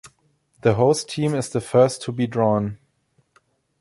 The host team is the first to be drawn.